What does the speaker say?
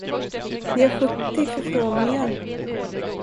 Vi har sjuttio förfrågningar!